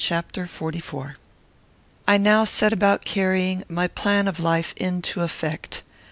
CHAPTER XLIV. I now set about carrying my plan of life into effect.